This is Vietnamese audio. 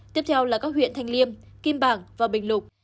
tiếp theo là các huyện thanh liêm kim bảng và bình lục